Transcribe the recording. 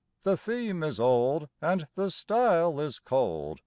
The theme is old And the style is cold.